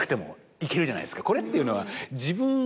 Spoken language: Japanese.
これっていうのは。